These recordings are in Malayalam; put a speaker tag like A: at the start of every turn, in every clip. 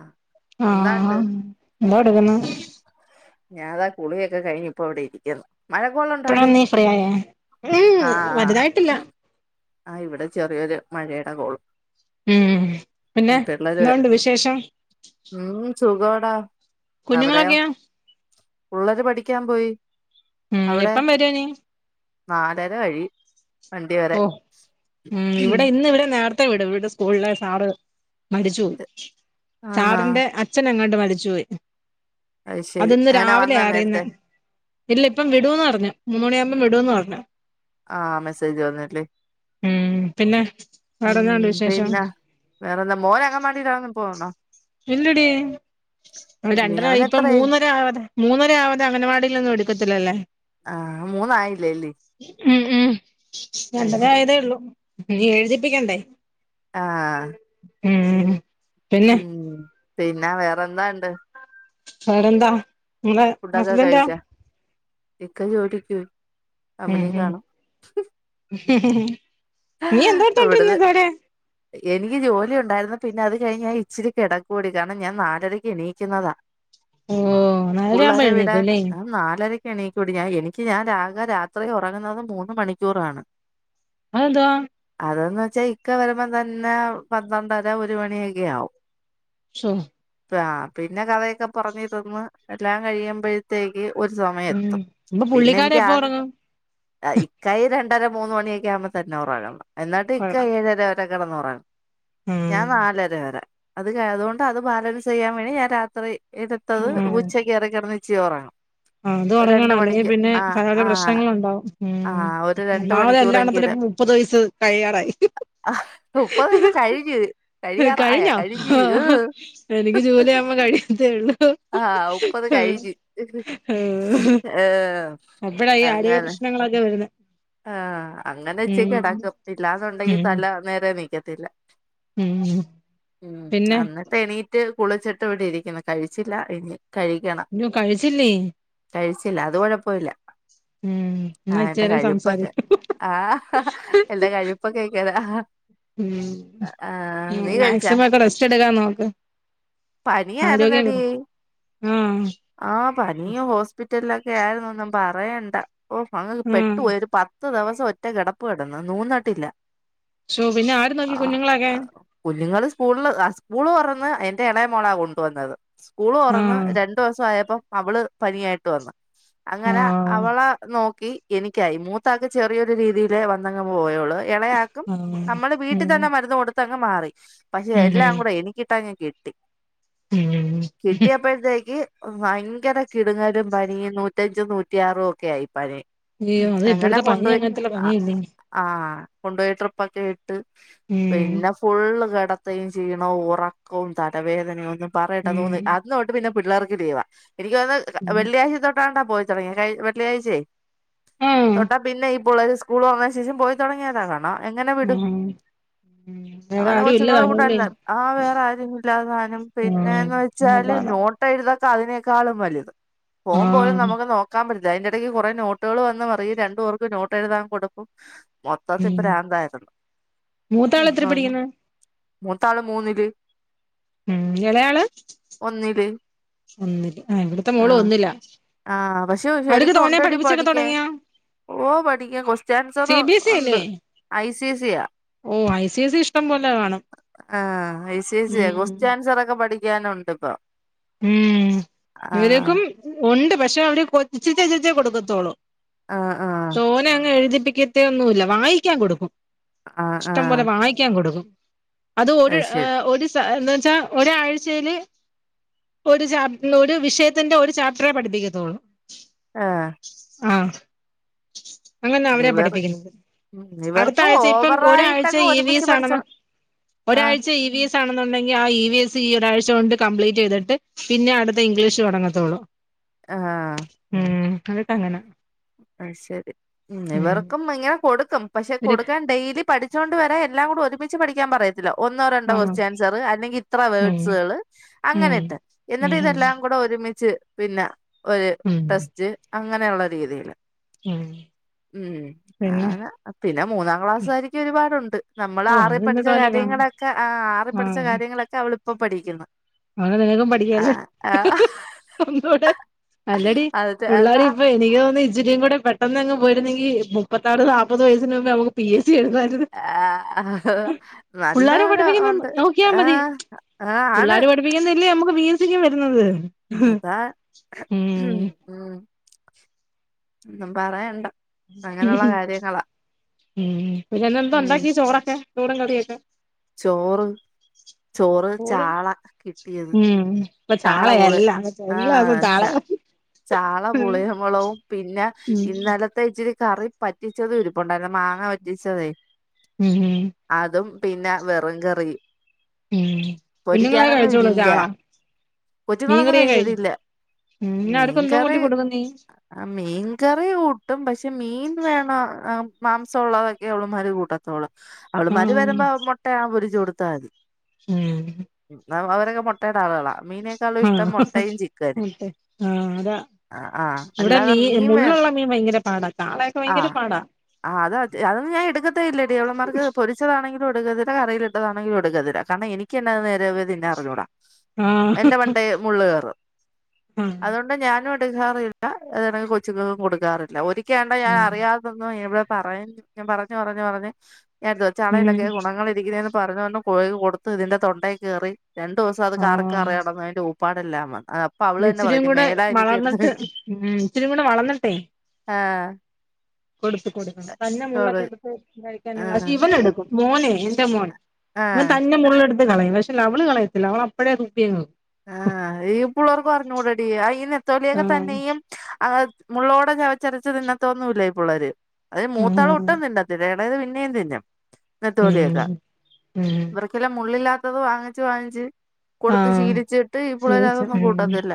A: ആ
B: ആ, എന്തോ, എട്ക്ക്ന്ന്.
A: ഞാതാ, കുളിയൊക്കെ, കഴിഞ്ഞ് ഇപ്പൊ, അവിടെ, ഇരിക്കുന്നു, മഴ
B: ഇപ്പഴാ
A: കൊളോണ്ടോടി.
B: നീ ഫ്രീ ആയേ ഉം
A: ആ,
B: വലുതായിട്ടില്ല
A: ആ, ഇവിടെ, ചെറിയൊരു മഴയുടെ, കോള്.
B: മം, പിന്നെ,
A: പിള്ളേര്
B: എന്തുണ്ട്, വിശേഷം.
A: ഉം
B: കുഞ്ഞുങ്ങളൊക്കെ
A: പിള്ളേര്, പഠിക്കാൻ, പോയി
B: ഉം
A: അവിടെ.
B: എപ്പം വരുവാ നീ
A: നാലര, കഴിയും വണ്ടി വരാൻ
B: ഓ, മം, ഇവിടെ, ഇന്ന്, ഇവിടെ നേരത്തെ ഇപ്പവിടും, ഇവടെ സ്കൂളിലെ, സാറ് മരിച്ചു, പോയി,
A: ആണോ
B: സാറിന്റെ, അച്ഛനങ്ങാടോ- മരിച്ചു, പോയി
A: അത് ശരി
B: അതിന്ന്
A: എങ്ങനെ വന്നാ
B: രാവിലെയാ, അറിയുന്നെ
A: നേരത്തെ
B: ഇല്ല ഇപ്പം വിടൂന്ന്, പറഞ്ഞു, മൂന്ന് മണിയാകുമ്പോം, വിടൂന്ന് പറഞ്ഞു.
A: ആ, മെസ്സേജ്, വന്നല്ലേ.
B: ഉം പിന്നെ വേറെന്നാണ്ട്
A: മം,
B: വിശേഷം
A: പിന്നെ, വേറെന്താ, മോനങ്ങൻവാടിയില്, വല്ലോ, പോണോ
B: ഇല്ലെടി
A: ഇല്ലേ
B: രണ്ടര,
A: അവന്
B: ഇപ്പ,
A: എത്രയായി
B: മൂന്നര, ആവതെ മൂന്നര, ആവതെ, അംഗനവാടിലൊന്നും എടിക്കത്തില്ലല്ലേ
A: ആ, മൂന്നായില്ലേല്ലേ
B: മം, മം,
A: അത്
B: രണ്ടര,
A: ശരി
B: ആയതേ, ഉള്ളൂ ഇനി, എഴുതിപ്പിക്കണ്ടേ.
A: ആ
B: മം
A: മം, പിന്നെ, വേറെന്താ, ഇണ്ട്
B: വേറെ ന്താ, നിങ്ങളെ, ഹസ്ബന്റോ.
A: കഴിച്ചാ ഇക്ക, ജോലിക്ക്, പോയി,
B: ഉം
A: കമ്പനി
B: ഉം
A: കാണും.
B: [unintelligible] നീ, എന്തോടുത്തോണ്ടിരുന്ന്,
A: ഇവിടുന്ന്
B: ഇത് വരെ,
A: എനിക്ക്, ജോലി, ഉണ്ടായിരുന്നു പിന്നെ, അത്, കഴിഞ്ഞ്, ഞാൻ, ഇച്ചിരി, കിടക്കുവടി, കാരണം ഞാൻ, നാലരയ്ക്ക് എണീക്കുന്നതാ.
B: ഓ നാലരയാവുമ്പോ
A: പിള്ളരെ, വിടാൻ,
B: എഴുന്നേക്കുംല്ലേ
A: ആ, നാലരക്ക്. എണിക്കൂടി, ഞാൻ, എനിക്ക് ഞാൻ, ആകെ, രാത്രി ഉറങ്ങുന്നത്, മൂന്ന്, മണിക്കൂറാണ്.
B: അതെന്താ
A: അതന്ന്, വെച്ചാ, ഇക്ക, വരുമ്പോ തന്നെ, പന്ത്രണ്ടര, ഒരു മണിയൊക്കെ, ആവും.
B: ശോ
A: ആ, പിന്നെ, കഥയൊക്കെ പറഞ്ഞിരുന്ന്, എല്ലാം കഴിയുമ്പോഴത്തേക്ക്. ഒരു, സമയം,
B: ഉം
A: എത്തും,
B: ഇപ്പൊ
A: പിന്നെ
B: പുള്ളിക്കാരൻ
A: എനിക്ക്,
B: എപ്പ
A: ആകെ
B: ഉറങ്ങും
A: ഇക്കാ, ഈ രണ്ടര, മൂന്ന്, മണിയൊക്കെ ആകുമ്പ തന്നെ, ഉറങ്ങണത്, എന്നിട്ട്, ഇക്കാ,
B: കൊള്ളാം
A: ഏഴര, വരെ, കിടന്നുറങ്ങും ഞാൻ,
B: ഉം
A: നാലര, വരെ. അത്, അത്, കൊണ്ട്, അത് ബാലൻസ്, ചെയ്യാൻ, വേണ്ടി ഞാൻ, രാത്രി, എടുത്തത്, ഉച്ചക്ക്, കയറി, കിടന്ന ഇച്ചിരി, [unintelligible]
B: ആ, അത്,
A: ഒരു
B: ഉറങ്ങണം
A: രണ്ട്
B: അല്ലെങ്കിൽ,
A: മണിക്ക്
B: പിന്നെ,
A: ആഹ്
B: പല, പല
A: ആഹ്
B: പ്രശ്നങ്ങള്, ഉണ്ടാവും. മം,
A: ആഹ് ഒരു രണ്ട്
B: ഒന്നാമത്, എല്ലാണത്തിനും
A: മണിക്കൂറെങ്കിലും
B: ഇപ്പ മുപ്പത്, വയസ്, കഴിയാറായി.
A: ആഹ് മുപ്പത് വയസ്സ് കഴിഞ്ഞ് കഴിയാറായ
B: കഴിഞ്ഞോ,
A: കഴിഞ്ഞ് ഏഹ്
B: എനിക്ക്, ജൂലൈ ആക്ബോ, കഴിയും ഇന്ത്ു [unintelligible]
A: ആ, മുപ്പത്, കഴിഞ്ഞ്, ആ
B: അപ്പഴ, ഈ, ആരോഗ്യ പ്രശ്നങ്ങളൊക്കെ, വരുന്നത്.
A: ആ, അങ്ങനെ, ഉച്ചക്ക്, കിടക്കും ഇല്ലാന്നുണ്ടെങ്കി,
B: ഉം
A: തല, നേരെ, നിക്കത്തില്ല.
B: ഉം
A: മം,
B: പിന്നെ
A: എന്നിട്ട്, എണീറ്റ്. കുളിച്ചിട്ട്, ഇവിടെ, ഇരിക്കുന്ന് കഴിച്ചില്ല, ഇനി. കഴിക്കണം
B: ഇയ്യോ, കഴിച്ചില്ലേ
A: ല്ല അത് കുഴപ്പമില്ല
B: ഉം ന ഇച്ചേരം സം
A: ആ എന്റൊ കഴിപ്പൊ കേക്കതാ
B: ഉം ഉ മാക്സിമം ഒക്കെ റെസ്റ്റ് എടുക്കാ നോക്ക്
A: പന
B: ആരോഗ്യം
A: ആര്ന്നടിയ
B: കിട്ടും ആഹ്
A: ആ പനിയ ഹോസ്പിറ്റലില ക്ക ആയിന്നൊന്നും പറയണ്ട ഓ അങ്ങ് പെട്ടു
B: ആഹ്
A: പോ പത്ത് ദിവസം ഒറ്റ കിടപ്പ് കിടന്ന് നൂന്നട്ടില്ല
B: ശോ പിന്നെ ആര്
A: ആ
B: നോക്കി കുഞ്ഞുങ്ങളൊക്കെ
A: കുഞ്ഞുങ്ങള് സ്കൂളില് സ്കൂള് തൊറന്ന് എ ഇണയ മോളാ കൊണ്ടുവന്നത് സ്കൂള് തുറന്ന്
B: ആഹ്
A: രണ്ടു ദിവസം ആയപ്പോം അവള് പനിയായിട്ട് വന്ന് അങ്ങനെ
B: ആഹ്
A: അവളെ നോക്കി എനിക്കായി മൂ പുത്ത ചെറിയൊരു രീതിൽ വന്നങ്ങ പോയുള്ളു ഇളയാക്കും
B: ആഹ്
A: നമ്മള് വീട്ടിൽ
B: ഉം
A: തന്നെ മരുന്ന് കൊടു ങ് മാറി പക്ഷെ
B: ഉം
A: എല്ലാം കൂടെ എനിക്കിട്ടാ ഞാൻ കിട്ടി
B: ഉം ഉം
A: കിട്ടിയപ്പ്ഴ്തേക്ക് ഭയങ്കര കിടുങ്ങലും പനി നൂറ്റഞ്ചും നൂറ്റിയാറും ഒക്കെ ആയി പനി
B: അയ്യോ അത്
A: അങ്ങനെ
B: ഇപ്പോഴത്തെ പനി
A: കൊണ്ടുപോയി
B: അങ്ങനത്തുള്ള
A: ആ
B: പനിയല്ലെ
A: ആഹ് കൊണ്ടുപോയി ട്രിപ്പ ഒക്കെ ഇട്ട്
B: ഉം
A: പിന്നെ ഫുള്ള് കട വത്തയും ചീണവും ഉറക്കവും തലവേദനയും ഒന്നും പറയട്ട് അത്
B: ഉം
A: അന്ന് തൊട്ട് പിന്നെ പിള്ളേർക്ക് ലീവാ എനിക്ക് വന്ന്
B: ഉം
A: വെള്ളിയാഴ്ച തൊട്ടാണ്ടാ പോയിച്ചടങ്ങിയ വെള്ളിയാഴ്ചേ
B: ആഹ്
A: തൊട്ടാ പിന്നെ ഇപ്പോൾ ഒരു സ്കൂൾ വങ്ങ ശേഷം പോയി തുടങ്ങിയതാ കാണോ എങ്ങനെ വിടും
B: ഉം അവിടെ
A: അങ്ങനെ
B: ആരും ഇല്ല
A: കൊച്ചുങ്ങള
B: കാണൂല്ലേ
A: കൂടെല്ല ആ വേറെ ആര ഇല്ലാതാനും
B: ഉം
A: പിന്നെന്ന്
B: പിന്നെ
A: വെച്ചാല്
B: പാടാ
A: നോട്ട് എഴുത അതിനേക്കാളും വലുത് പോകൻ പോലും
B: ആഹ്
A: നമുക്ക് നോക്കാൻ പറ്റില്ല അതിന്റെ ഇടയ്ക്ക് കുറെേ നോട്ടുകൾ വന്ന് അ ഈ രണ്ടുപർക്ക് നോട്ട് എഴുതാൻ കൊടുക്കും മൊത്തത്തി ഇപ്പൊ
B: ഉം
A: പ്രാന്തായിരുന്നു
B: മൂത്താള് എത്ര
A: ഒന്ന
B: പഠിക്കുന്ന്
A: മൂത്താള് മൂന്നില്
B: ഉം ഇളയാള് ഒന്നില് ആഹ് ഇവിടുത്തെ
A: ആ
B: മോള് ഒന്നിലാ
A: ആ പക്ഷെ
B: അവിടക്ക്
A: ശരിക്കും
B: തോനെ
A: ഉണ്ടടി
B: പഠിപ്പിച്ചൊക്കെ
A: പഠിക്കാൻ
B: തുടങ്ങിയാ
A: ഓ പഠിക്കാ കൊക്വസ്റ്റ്യൻ answer
B: C B S E
A: ഉണ്ട്
B: അല്ലേ
A: ഐ സി സിയ
B: ഓ ഐ സി എസ് ഇ ഇഷ്ടം പോലെ കാണും
A: ആ ഐ സി ഐ സി
B: ഉം
A: ക്വസ്റ്റ ആൻസർ ഒക്കെ പഠിക്കാനുണ്ട് ഇപ്പൊ
B: ഉം
A: ആഹ്
B: ഇവരക്കും ഉണ്ട് പക്ഷെ അവര് കൊ ചിച്ചിച്ചേ കൊടുക്കത്തോളൂ
A: ആഹ് ആഹ്
B: സോനെ അങ്ങ് എഴുതിപ്പിക്കത്ത ഒന്നുല്ല വായിക്കാൻ കൊടുക്കും
A: ആഹ്
B: ഇഷ്ടം പോലെ
A: ആഹ്
B: വായിക്കാൻ കൊടുക്കും അത് ഒരു ആ ഒരു പച്ചാ ഒരാഴ്ചയില് ഒരുചാപ ഒരു വിഷയത്തിന്റെ ഒരു ചാപ്റ്ററെ പഠിപ്പിക്കത്തുള്ളൂ
A: ആ
B: ഉ അങ്ങനെ അവരെ
A: ഇവർ
B: പഠിപ്പിക്കുന്നത്
A: ഉം
B: അടുത്ത
A: ഇവർക്കും
B: ആഴ്ച ഇപ്പം ഒരാഴ്ച
A: ഓവറായിട്ടങ്ങ്
B: ഇ വി
A: ഒരുമിച്ച്
B: എസ് ആണെന്നോ
A: പഠിച്ചോ ആഹ്
B: ഒരാഴ്ച ഇ വി എസ് ആണെന്നുണ്ടെങ്കിൽ ആ ഇ വി എസ് സി ഒരാഴ്ച കൊണ്ട് കംപ്ലീറ്റ് ചെയ്തിട്ട് പിന്നെ അടുത്ത ഇംഗ്ലീഷ് തുടങ്ങത്തോള്ളൂ
A: ആ
B: അല്ലട്ടങ്ങന
A: ശരി ഉ ഇവർക്കും ഇങ്ങനെ കൊടുക്കും പക്ഷെ
B: ഒരു
A: കൊടുക്കാൻ ഡെയിലി പഠിച്ചൊണ്ട് വരാ എല്ലാം കൂടി ഒരുമിച്ച് പഠിക്കാൻ പറയ ഒന്നോ രണ്ടോ
B: ആഹ്
A: കൊക്സ്റ്റ ആൻസർ അല്ലെങ്കിൽ ഇത്ര
B: ഉം
A: വേർഡ്സുകൾ അങ്ങനെ
B: ഉം
A: ഇട്ട് എന്നിട്ട്
B: ഉം
A: ഇതെല്ലാം കൂടെ ഒരുമിച്ച് പിന്നെ ഒരു
B: ഉം
A: ടെസ്റ്റ് അങ്ങനെയുള്ള രീതി
B: ഉം
A: ഉം
B: പിന്നെ
A: അനെ പിന്നെ മൂന്നാം ക്ലാസ് ആയിരിക്കും ഒരുപാടുണ്ട് നമ്മള്
B: ഓ
A: ആറി
B: അത് നിന്നെ
A: പഠിച്ച കാര്
B: തോനെ കാണും
A: കാര്യങ്ങളൊക്കെ ആ ആറി പഠിച്ച
B: ആഹ്
A: കാര്യങ്ങളൊക്കെ അവളിപ്പോ പഠിക്കുന്നു
B: അങ്ങനെ നിനക്കും
A: ആ
B: പഠിക്കല്ലേ
A: ആ
B: അോട്ട അല്ലടി
A: അത്
B: പിള്ളരി
A: അതാ
B: ഇപ്പൊ എനിക്ക് തോന്ന ഇുരി കൂടെ പെട്ടെന്ന് അങ്ങ് ഇച്ചിരി കൂടെ പെട്ടന്ന് പോയിരുന്നെങ്ക മുപ്പതാർ നാപ്പത് വയസ്സിന് മുമ്പേ നമുക്ക് പി എസ് സി എഴുതർന്നു
A: ആ് നല്ലപോലെ
B: പഠിപ്പിക്കുന്ന
A: ഉണ്ട് ആഹ ആ ആണ്
B: ീന്നല്ലേ നമുക്ക് പീ എ സി ക്കും വരുന്നത്
A: അതാ ഉ ഒും പറയണ്ട അങ്ങനെയുള്ള കാര്യങ്ങളാ
B: ഉം പിന്നെഎന്താ
A: ഉം
B: ഉണ്ടാക്കി ചോറും കറിയൊക്കെ
A: ചോറ് ചോറ്
B: ചോറും
A: ചാള കിട്ടിയത്
B: ഉം ഇപ്പൊ
A: ചാള പൂള്
B: ചാളയല്ല എല്ലാസം
A: ആഹ്ച്ച
B: ചാള ഉം
A: ചാളപുളിയും മുളവും പിന്നെ ഇന്നലത്തെ ഇച്ചിരി കറി പറ്റിച്ചത്ും ഇരിപ്പ ഉണ്ടായിുന്ന മാങ്ങ പറ്റിച്ചതേ
B: ഉം ഹ
A: പിന്നെ വെറും കറി
B: ഉം കുഞ്ഞുങ്ങളൊക്കെ
A: പൊരിക്കാനൊന്നും
B: കഴിച്ചോളൂ
A: ഇല്ല
B: ചാള
A: കൊച്ചുങ്ങളൊന്നും ന്നും
B: മീൻകറിയൊക്കെ കഴി
A: കഴിക്കത്തില്ല
B: ഉം പിന്നെ അവർക്ക് എന്തോ
A: മീൻകറി
B: കൂട്ടി കൊടുക്കും നീ
A: മീൻകറി കൂട്ടും പക്ഷെ മീൻ വേണ ആ മാംസംമുള്ളതൊക്കെ അവള്മാർ കൂട്ടത്തുള്ളൂ അവള് മര്
B: ആഹ്
A: വരുമ്പോ മുട്ടയ പൊരിച്ച്ു കൊടുത്ത ത്ത അതി
B: ഉം
A: അവരൊക്കെ മുട്ടയുടെ ആളുകളളാണ് മീനേക്കാളും ഇഷ്ടം
B: ആഹ്
A: മുട്ടയും ചിക്കന
B: അതെ ആഹ് അതാ
A: ആ ആഹ്
B: ഇവിടെ
A: അല്ലാതെ
B: മീ
A: മീൻ വേ
B: മുള്ളുള്ള മീൻ ഭയങ്കര പാടാ കാളയൊക്കെ
A: ആഹ
B: ഭയങ്കര പാടാ
A: ആ അത് അതൊ ഞാൻ എടുക്കത ഇല്ലേടിയവളന്മാർക്ക് പൊരിച്ചതാണെങ്കിൽ ഒടുുകതിര കറയിയിലട്ടതാണെങ്കില ഒടുുകതിര കാരണം എനിക്ക് എന്നെ നേരെവന്നെ അറിഞ്ഞൂടാം
B: ആഹ്
A: എന്റെ മണ്ടേൽ മുള്ളുകയറ
B: ആഹ്
A: അതുകൊണ്ട് ഞാനും കൊടുക്കാറില്ലെങ്കിൽ കൊച്ചുക്കൾക്കും കൊടുക്കാറില്ല ഒരിക്കലണ്ട ഞാൻ
B: ഉം
A: അറിയാതൊന്നും ഇവിടെ പറയ ഞാൻ പറഞ്ഞഞ് പറഞ്ഞഞ് പറഞ്ഞഞ് ഞാൻ
B: ഉം
A: ചടയിലൊക്കെ ഗുണങ്ങൾ ഇരിക്കുന്ന പറഞ്ഞഞ്ഞ്ഞഴുകി കൊടുത്ത് പറഞ്ഞോണ്ട് കൊട്ത്ത് ഇതിന്റെ തൊണ്ടയിൽ കയറി രണ്ട ദിവസം അത് കാറി
B: ആഹ്
A: കയറി നടടന്നു അതിന്റെ ഊപ്പാടെല്ലാം വന്നു അ അപ്പൊ അവള് തന്നെ
B: ഇച്ചിരിയും
A: പറയുന്നു
B: കൂടെ
A: മേലാ എനിക്ക് എടുത്ത്
B: വളർന്നിട്ട്
A: വക്കും
B: ഉം ഇച്ചിരിയും കൂടെ
A: ആഹ
B: കൊടുത്ത കൊടുക്കണം കന്ന മുള്ളൊക്കെ
A: കൊടു
B: എടുത്ത്
A: ആഹ്
B: കഴിക്കാനവന എടുക്കും മോന എന്റെ മോൻ ഇവൻ
A: ആഹ്
B: തന്നെ മുള്ള എടുത്ത് കളയും പക്ഷെ അവള് കളയത്തില്ല അവള അപ്പോഴേൂതുപ്പും
A: ആഹ ഈ പിുള്ളേർക്ക് അറിഞ്ഞു കൂടെടീ ഈ നെത്തോലിയൊക്കെ
B: ആഹ്
A: തന്നെയും അ മുള്ളോടെ ചവച്ചരച്ച്ുതിന്നത്തൊന്നുമല്ല പിുള്ളേര് അത് മൂത്താൾ
B: ആഹ്
A: ഒട്ടും തിന്ന ത്തില്ല അതായത് പിന്നും തതിന്നം ഇന്ന തോലിയൊക്കെ
B: ഉം ഉം
A: ഇവർക്കെല്ലാം മുള്ളില്ലാത്ത ത്തത് വാങ്ങിച്ച് വാങ്ങിച്ച് കൊടുത്ത്
B: ആഹ്
A: ശീലി വച്ചിട്ട് ഇ പിള്ളേരെ
B: ശീലിച്ചു
A: അതൊന്നും
B: ഉം
A: കൂട്ടത്തില്ല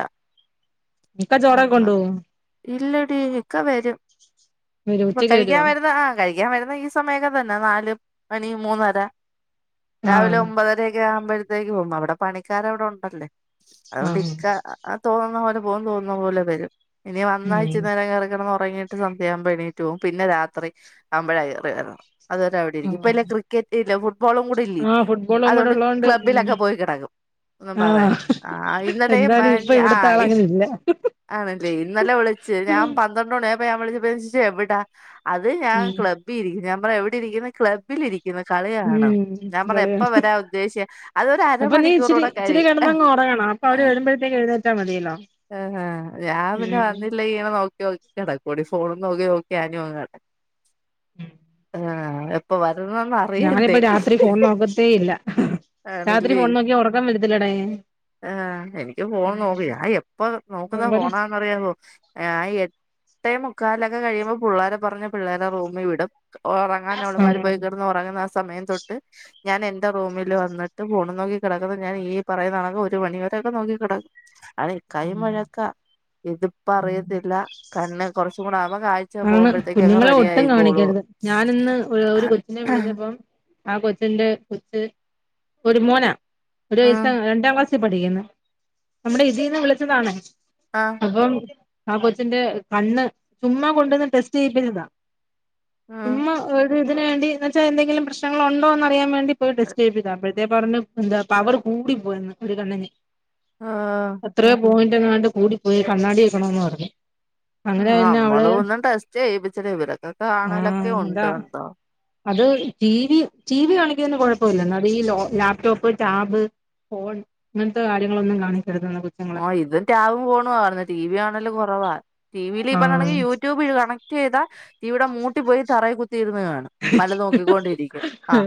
B: ഇക്ക
A: അ
B: ചോറൊക്കെ കൊണ്ടോവോ
A: ഇല്ലടി ഇക്കെ വരും
B: വരോ
A: ഇപ്പൊ
B: ഉച്ചക്ക്
A: കഴിക്കാൻ
B: വരുവോ
A: വരുന്ന ആ കഴ കഴിക്കാൻ വരുന്ന ഈ സമയമൊക്കെ തന്നെ നാല് മണി മൂന്നര രാവിലെ
B: ആഹ്
A: ഒമ്പതരൊക്കെ ഴത്തേക്ക് അടെ പണിക്കാരണ്ടല്ലേ അതൊണ്ട് ഇ
B: ആഹ്
A: ക്ക തോന്ന പോോന്ന പോലെ വരും ഇനി വന്നാഴ
B: ഉം
A: നേരം തുറങ്ങിട്ട് സന്്യയാകുമ്പോ എണീറ്റ്് പോകും പിന്നെ രാത്രി ആവ്പോഴ കയറി വണം അത്വര അവിടെയിരിക്ക ഇപ്പ
B: ആഹ്
A: ഇ ക്രിക്കറ്റ്ല്ല ഫു ബോളും കൂടി ഇല്ല
B: ആഹ് ഫുട്ബോളും കൂടെ
A: അതുകൊണ്ട്
B: ഉള്ളോണ്ട് ഉം
A: ക്ലബ്ബിലൊക്കെ പോയി കിടക്കും ഒും പറയ
B: ആഹ്
A: ആ് ഇന്നലെ മ
B: എന്തായാലും ഇപ്പൊ
A: ആ
B: ഇവിടത്തെ ആള് അങ്ങനെ ഇല്ല
A: ആണല്ലേ ഇന്നല്ലെ വിളിച്ചു ഞാൻ പന്ത്രണ്ട് മണിയ ള എവിട്ടാ അത് ഞൻ
B: ഉം
A: ക്ലബ്ബിൽിരിക്കും ഞാൻ പറഞ്ഞ എവിടെ ഇരിക്കുന്ന ക്ലബ്ബിൽിരിക്കും ുന്ന കളിിയാണ്
B: ഉം
A: ഞാൻ പറഞ്ഞ എപ്പ
B: കളിയാണ്
A: വരാൻ ഉദ്ദേശിക്ക അതൊ ഒരു അരമണിക്കൂറ കൂടെ കഴ
B: തുടങ്ങണം അപ്പൊ അവര്ഴരുുമമ്പഴേക്ക് എഴുന്നേറ്റാ മതിയല്ലോ
A: ആ് ഞാൻ പിന്നെ
B: ഉം
A: വന്നില്ല ഈനെ നോക്കിോക്കി കടക്കൂടി ക്കെ നോക്കാനങ്ങപ്പ
B: ഞാനിപ്പ രാത്രി ഫോൺ നോക്കത്തേ ഇല്ല രാത്രി ഫോൺ നോക്കിയ ഉറക്കം വരത്തില്ലടേ
A: ആ എനിക്ക് ഫോൺ നോക്കൂ ആ എപ്പ നോക്കുന്ന ഫോണാന്നറിയാവോ എട്ടേ മുക്കാലിലൊക്കെ കഴിയുമ്പോ പിള്ളേരെ പറഞ്ഞ് പിള്ളേരെ റൂമി വിടും ഒറങ്ങാൻ അവള്മാര്
B: ആഹ്
A: പോയി കെടന്ന് ഒറങ്ങുന്ന ആ സമയം തൊട്ട് ഞാൻ എൻ ഇന്റെ റൂമില് വന്ന്ട്ട് ഫോണ് നോക്കി കെടക്ക്ന്ന ഞാൻ ഈ പറയുന്നാണങ്കിൽ ഒരു മണിവോരൊക്കെ നോക്കി കിടക്കും അളെ കൈ മുഴക്ക ഇതിപ്പ അറിയത്തില്ല കണ്ണ് കൊറച്ചും കൂടെ ആവു [unintelligible] ആഴ്ച പോകുമ്പഴത്തേക്കു അങ്ങ് റെഡി ആയിക്കോളൂ
B: ഞാൻ ഇന്ന് ഒരു
A: ആഹ്
B: കൊച്ചിനെ വിളിച്ചപ്പം ആ കൊച്ചിന്റെ കൊച്ച് ഒരു മോനാ ഒരു വയസ
A: ആഹ്
B: രണ്ടാം ക്ലാസ് പഠിക്കുന്ന് നമ്മുടെ ഇതിൽന്ന് വിളിച്ചതാണ്
A: ആഹ്
B: അപ്പം ആ കൊച്ചിന്റെ കണ്ണ് ചുമ്മാ കൊണ്ടെന്ന് ടെസ്റ്റ് ചെയ്യിപ്പിച്ചതാ
A: ആഹ്
B: ചുമ്മാ ഒരു ഇതിന് വേണ്ടി എന്ന് വെച്ചാൽ എന്തെങ്കിലും പ്രശ്നങ്ങൾ ഉണ്ടോന്ന് അറിയാൻ വേണ്ടി ടെസ്റ്റ് ചെയിപ്പ്താ അപ്പോഴത്തെ പറഞ്ഞു എന്താ പവർ കൂടി പോയെന്ന് ഒരു കണ്ണിന്ന്
A: ആഹ്
B: എത്രയോ പോയിന്റങ്ങാണ്ട് കൂടി പോയി കണ്ണാടി വെക്ക്വണോന്ന് പറഞ്ഞു അങ്ങനെ പിന്നെ അവള്
A: അമ്മള് ഒന്നും ടെസ്റ്റ് ചെയ്യിപ്പിച്ചലെ ഇവരൊക്കെ കാണലൊക്കെ
B: ആഹ് അതാ
A: ഉണ്ട് എന്തോ
B: അത് ടി വി ടി വി കാണിക്ക്ന് കൊഴപ്പോല്ല ഇന്നാലു ഈ ലോ ലാപ്ടോപ്പ് ടാബ് ഫോൺ അങ്ങൻത്തെ കാര്യങ്ങളൊന്നും കാണിക്ക്-
A: ആഹ് ഇതും ടാബും ഫോണും ആഹ് കാണുന്നെ ടീവി കാണാല് കൊറവാ. ടി വീല് ഈ
B: ആഹ്
A: പറ്ണണ്ടങ്കി യൂട്യൂബ് കണ- ചെയ്താ ഇവിടെ മൂട്ടി പോയി തറയി കു- തീർന്ന് കാണും മല നോക്കിക്കൊണ്ടിരിക്ക്യു അഹ്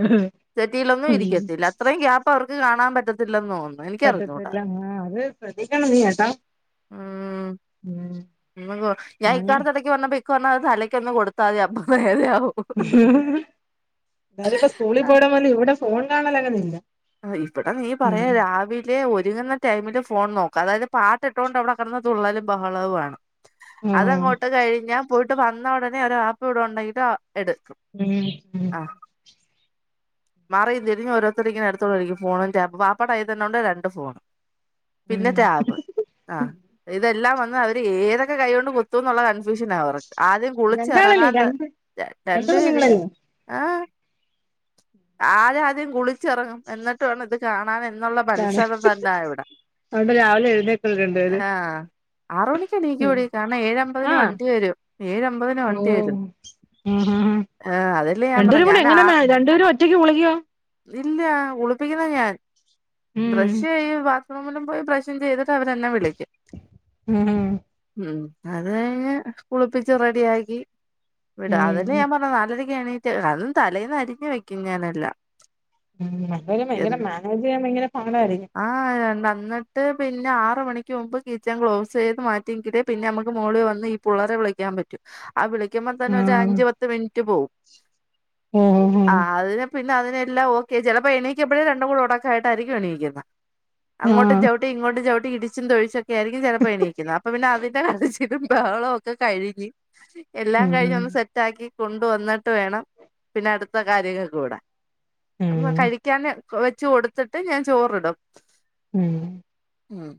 A: സെറ്റിയിലൊന്നും
B: ഉം
A: ഇരിക്കത്തില്ല അത്രയും ഗ്യാപ്പ് അവർ കാണാൻ പറ്റത്തില്ലന്നോന്ന്
B: പറ്റത്തില്ലന്ന് അത് ശ്രദ്ധിക്കണം നീ കേട്ടാ ഉം
A: ഉം ഞാൻ
B: ആണ്
A: ഇക്കാട്ത്ത് ഇടക്ക് പറഞ്ഞപ്പൊ ഇക്ക പറഞ്ഞ് അത് തലയ്ക്ക് ഒന്ന് കൊടുത്താത് അപ്പൊ വേദന ആകും
B: നേര ഇപ്പ സ്കൂളിൽ പോണ മുല് ഇവിടെ ഫോൺ കാണലങ്ങ്നിന്ന്
A: അഹ് ഇബടെ നീ പറയാ രാവിലെ ഒരുങ്ങ്ന്ന ടൈമില് ഫോൺ നോ- -ക്ക അതായത് പാട്ടിട്ടൊണ്ട് അവിടെ കെടന്ന് തുള്ളലും ബഹളവും ആണ്
B: ഉം
A: അതങ്ങോട്ട് കഴിഞ്ഞാ- ഇവിടെ വന്ന ഉടനെ ഒരു ആപ്പിൾ ഇവിടെ ഉണ്ടങ്കിലോ
B: ഉം ഉം
A: മാറി തിരിഞ്ഞും ഓരോത്തരിങ്ങനെ എടു ത്ത് കഴിയും ഫോണും ടാബും ബാപ്പാടെ കൈതന്നെ ഉണ്ട് രണ്ട് ഫോണ് പിന്നെ
B: ഉം
A: ടാബ് ആ ഇതെല്ലാം വ ന്ന് അവര് ഏതൊക്കെ കൈ കൊണ്ട് കുത്തൂന്നുള്ള കൺഫ്യൂഷനാ അവർക്ക് ആദ്യം കുളിച്ച്
B: രണ്ടാളല്ലേ
A: ഇറങ്ങാൻ
B: രണ്ട്
A: രണ്ട് പേര് ആഹ് ആര് ആദ്യം കുളിച്ചിറങ്ങും എന്നിട്ട് വേണം ഇത് കാണാൻ എന്നുള്ള
B: കാണ
A: മത്സരം തന്നാ ഇവിടെ
B: അതുകൊണ്ട് രാവിലെ എഴുന്നേൽക്കും രണ്ടുപേരും
A: ആഹ് ആറു മണിക്ക് എണീക്കുവെടി കാരണം ഏഴമ്പതിന്
B: ആഹ്
A: വണ്ടി വരും ഏഴമ്പതിന്
B: ഓ
A: വണ്ടി വരും
B: ആഹ് ഹാ ഹാ
A: ആ അതല്ലേ ഞാൻ
B: രണ്ടുപേരും
A: പറഞ്ഞേ
B: കൂടെ
A: ഞാൻ ആ
B: എങ്ങനെ രണ്ടുപേരും ഒറ്റക്ക് കുളിക്കുവോ
A: ഇല്ല കുളിപ്പിക്കുന്നത് ഞാൻ
B: ഉം
A: ബ്രഷ് ചെയ്യും ബാത്റൂമിലും പോയി ബ്രഷും ചെയ്തി ട്ട് അവരെന്നെ വിളിക്കും
B: ഉം
A: ഉം അത് കഴിഞ്ഞ് കുളിപ്പിച്ച് റെഡിയാക്കി വിടും അതെല്ലേ ഞാൻ
B: ഉം
A: പറഞ്ഞത് നാലര ക്ക് എണീറ്റ് അതും തലേന്ന് അരിഞ്ഞ് വെക്കും ഞാനെല്ലാം
B: ഉം അല്ലാതെ ഭയങ്കരെ മാനേജ് ചെയ്യാൻ ഭയങ്കര പാടാരിക്കും
A: ആ എന്നിട്ട് പിന്നെ ആറ് മണിക്ക് മുമ്പ് കിച്ചൺ ക്ലോസ് ചെയ്ത് മാറ്റിയെങ്കിലെ പിന്നെ നമുക്ക് മുകളിൽ വന്ന് ഈ പുള്ളേരെ വിളിക്കാൻ പറ്റും ആ വിളിക്കുമ്പോ തന്നെ ഒരു അഞ്ച് പത്ത് മിനിറ്റ് പോകും
B: ഉം ഉം
A: പിന്നെ അതിനെല്ലാം ഓക്കെ ചിലപ്പോ എണീക്കുമ്പോഴേ രണ്ടും കൂടെ ഒടക്കായിട്ടായിരിക്കും എണീക്കുന്നേ അങ്ങോട്ടും
B: ആഹ്
A: ചവിട്ടി ഇങ്ങോട്ടും ചവിട്ടി ഇടിച്ചും തൊഴിച്ചൊക്കെ ആയിരിക്കും ചിലപ്പോ എണീക്കുന്നേ അപ്പൊ പിന്നെ അതിന്റെ കരച്ചി ലും ബഹളവൊക്കെ കഴിഞ്ഞ് എല്ലാം
B: ഉം
A: കഴിഞ്ഞ് ഒന്ന് സെറ്റാക്കി കൊണ്ട് വന്നിട്ട് വേണം പിന്നെ അടുത്ത കാര്യങ്ങൾക്ക് വിടാൻ
B: ഉം
A: കഴി ക്കാന് വെച്ച് കൊടുത്തിട്ട് ഞാൻ ചോറിടും
B: ഉം
A: ഉം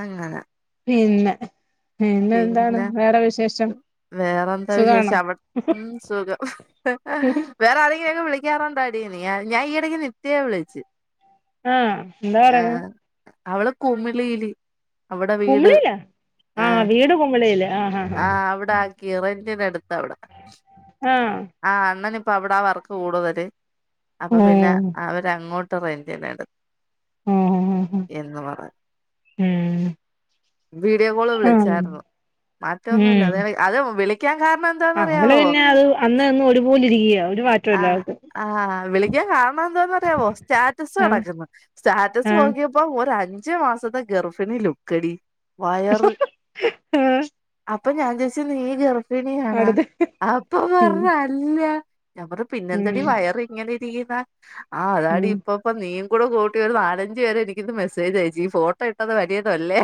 A: അങ്ങനെ
B: പിന്നെ പിന്നെ എന്താണ് വേറെ വിശേ -
A: വേറെന്താ വിശേഷ അവിടെ ഉം സുഖം വേറെ ആരെങ്കിലും ക്കെ വിളി വിളിക്കാറുണ്ടോ ഡീ നീ ഞാൻഈടക്ക് നിത്യേ വിളിച്ച്
B: ആ എന്താ പറയുന്ന
A: ആഹ് അവള് കുമിളിയില് അവിടെ വീട്
B: കുമളിയിലാ
A: ആ
B: ആഹ് വീട് കുമളിയില് ആഹ് ആഹ്
A: ആ അവിടെ ആകി റെന്റിനെടുത്ത് അവിടെ
B: ആഹ് ആഹ്
A: ആ അണ്ണൻ ഇപ്പ അവിടെ ആ വർക്ക് കൂടുതല് അപ്പൊ പിന്നെ
B: ഉം
A: അവരങ്ങോട്ട് ഉത്തരേന്ത്യന
B: ഉം
A: [unintelligible] എന്ന് പറ
B: ഉം
A: വീഡിയോ കോള്
B: ആഹ്
A: വിളിച്ചായിരുന്നു മാറ്റൊന്നുമല്ല
B: ഉം
A: അ അ വിളി ക്കാൻ കാരണം എന്താന്ന്
B: ആഹ് അവള്
A: അറിയാവോ
B: പിന്നെ അത് അന്ന് അന്ന് ഒരുപോലെ ഇരിക്കുകയ
A: ആ ആ വിളിക്കാൻ കാരണം എന്തോന്ന് അറിയാമോ സ്റ്റാറ്റസ്
B: ആഹ്
A: കെടക്കുന്ന് സ്റ്റാറ്റ
B: ആഹ്
A: ക്കിയപ്പം ഒരലി [unintelligible] ഞ്ച് മാസത്തെ ഗർഫിണി ലുക്കെടി വയറ്
B: ആഹ്
A: അപ്പൊ ഞാൻ ചോച്ചു നീ ഗർഭിണിയാണാ
B: അടുത്ത്
A: അപ്പൊ
B: ഉം
A: പറഞ്ഞ് അല്ല ഞമ്മള്
B: ഉം
A: പിന്നെന്തടി വയറ് ഇങ്ങനെ ഇരിക്കുന്നാ ആ അതാടി
B: ഉം
A: ഇപ്പ ഇപ്പ നീ കൂടെ കൂട്ടി ഒരു നാലഞ്ചു പരെ എനിരിക്കുന്നു മെസ്സേജ് അയച്ചു ഈ ഫോട്ടോ ഇട്ടത് വലിയതോല്ലേ